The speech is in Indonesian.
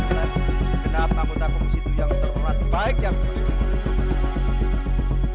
dengan segenap anggota komisi itu yang teruat baik yang berhasil